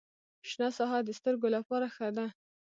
شنه ساحه د سترګو لپاره ښه ده